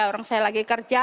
orang saya lagi kerja